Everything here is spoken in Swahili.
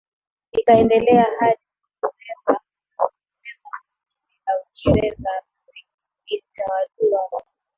ikaendelea hadi kumezwa na koloni la Uingereza Nri ilitawaliwa na